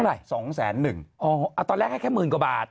เท่าไหร่อ๋อตอนแรกให้แค่หมื่นกว่าบาท